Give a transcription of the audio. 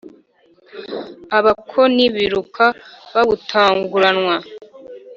Abakoni biruka bawutanguranwa